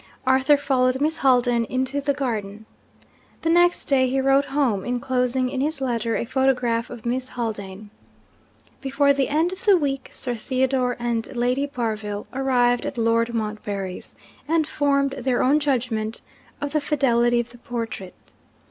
Arthur followed Miss Haldane into the garden. The next day he wrote home, enclosing in his letter a photograph of Miss Haldane. Before the end of the week, Sir Theodore and Lady Barville arrived at Lord Montbarry's, and formed their own judgment of the fidelity of the portrait.